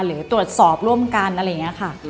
หรือตรวจสอบร่วมกันอะไรอย่างนี้ค่ะ